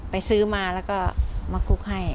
ไปซื้อมาแล้วก็มาคุกให้